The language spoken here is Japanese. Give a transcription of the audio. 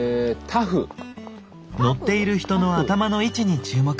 乗っている人の頭の位置に注目。